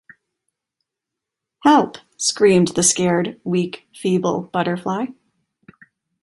Help! —screamed the scared weak, feeble butterfly.